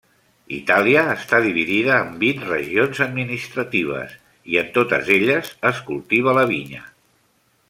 Itàlia està dividida en vint regions administratives i en totes elles es cultiva la vinya.